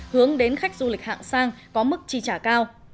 hướng đến khách du lịch hạng sang có mức chi trả cao